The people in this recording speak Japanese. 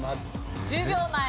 １０秒前。